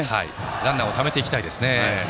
ランナーをためていきたいですね。